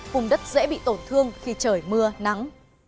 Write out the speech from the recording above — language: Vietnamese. vùng đất dễ bị tổn thương khi trời mưa nắng